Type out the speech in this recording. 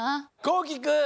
こうきくん！